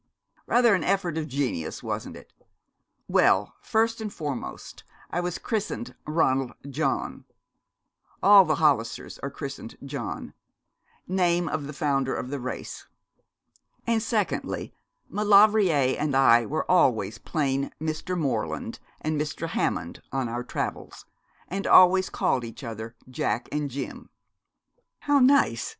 'Rather an effort of genius, wasn't it. Well, first and foremost I was christened Ronald John all the Hollisters are christened John name of the founder of the race; and, secondly, Maulevrier and I were always plain Mr. Morland and Mr. Hammond in our travels, and always called each other Jack and Jim.' 'How nice!'